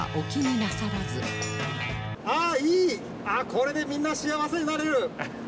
これでみんな幸せになれる。